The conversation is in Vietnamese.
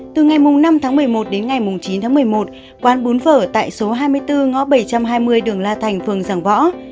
từ ngày năm tháng một mươi một đến ngày chín tháng một mươi một quán bún vở tại số hai mươi bốn ngõ bảy trăm hai mươi đường la thành phường giảng võ